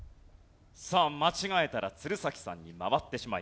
さあ間違えたら鶴崎さんに回ってしまいます。